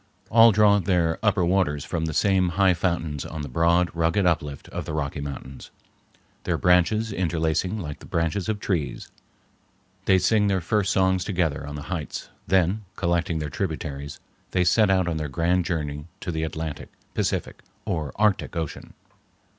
All draw their upper waters from the same high fountains on the broad, rugged uplift of the Rocky Mountains, their branches interlacing like the branches of trees. They sing their first songs together on the heights; then, collecting their tributaries, they set out on their grand journey to the Atlantic, Pacific, or Arctic Ocean.